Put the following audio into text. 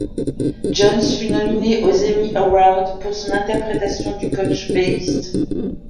Jones fut nominée aux Emmy Awards pour son interprétation du coach Beiste.